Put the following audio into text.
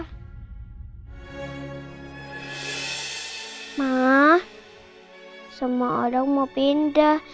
gimana caranya kalau aku gak pindah